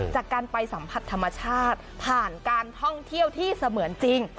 จากการไปสัมผัสธรรมชาติผ่านการท่องเที่ยวที่เสมือนจริง